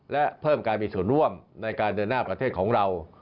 และเพิ่มการมีส่วนร่วมในการเดินหน้าประเทศของเรา